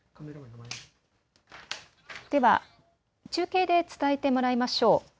では中継で伝えてもらいましょう。